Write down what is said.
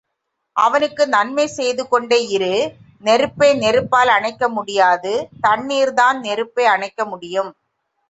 அவனுக்கு நன்மை செய்துகொண்டே இரு நெருப்பை நெருப்பால் அணைக்க முடியாது தண்ணீர்தான் நெருப்பை அணைக்க முடியும்.